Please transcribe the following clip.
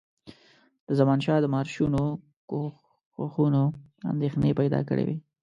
د زمانشاه د مارشونو کوښښونو اندېښنې پیدا کړي وې.